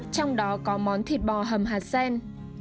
trong đó có món thịt bò hầm hạt sen